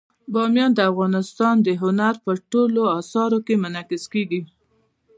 بامیان د افغانستان د هنر په ټولو اثارو کې منعکس کېږي.